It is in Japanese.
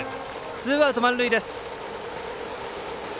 ツーアウト満塁です。